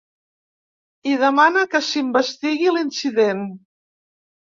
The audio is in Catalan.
I demana que s’investigui l’incident.